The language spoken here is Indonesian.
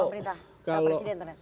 pak prita pak presiden